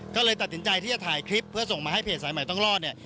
ก็เลยตัดสินใจที่จะถ่ายคลิปเพื่อส่งมาให้เพจสายใหม่ต้องรอดเนี่ย